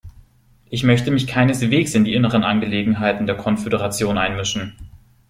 Ich möchte mich keineswegs in die inneren Angelegenheiten der Konföderation einmischen.